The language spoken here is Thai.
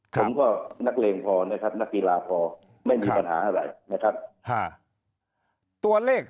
ผมก็นักเลงพอนักกีฬาพอไม่มีปัญหาอะไรนะครับ